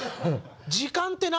「時間って何？」